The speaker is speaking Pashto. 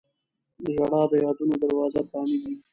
• ژړا د یادونو دروازه پرانیزي.